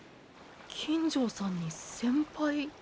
金城さんに「先輩」ですか。